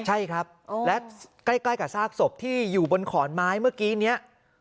ใช่ครับและใกล้กับซากศพที่อยู่บนขอนไม้เมื่อกี้นี้